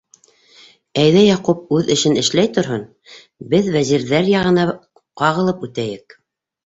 Әйҙә Яҡуп үҙ эшен эшләй торһон, беҙ Вәзирҙәр яғына ҡағылып үтәйек.